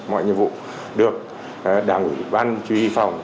mọi nhiệm vụ được đảng ủy ban truy phòng